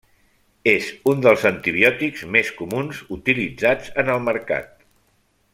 És un dels antibiòtics més comuns utilitzats en el mercat.